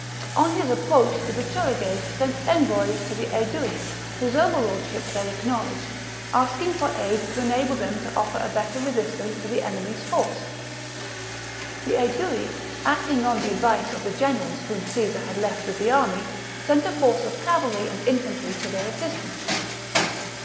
On his approach the Bituriges sent envoys to the VII OF VERCINGETORIX 209 Aedui, whose overlordship they acknowledged, 52 b.c asking for aid to enable them to offer a better resistance to the enemy's force. The Aedui, acting on the advice of the generals whom Caesar had left with the army, sent a force of cavalry and infantry to their assistance.